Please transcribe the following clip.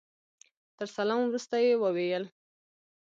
تر سلام وروسته يې وويل.